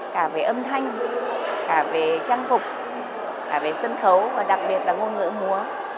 cả về âm thanh cả về trang phục cả về sân khấu và đặc biệt là ngôn ngữ múa